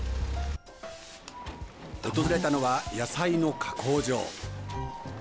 訪れたのは、野菜の加工場。